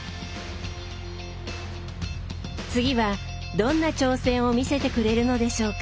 次はどんな挑戦を見せてくれるのでしょうか？